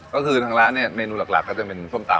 ก็คือทางร้านเนี่ยเมนูหลักก็จะเป็นส้มตำ